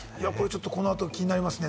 この後、気になりますね。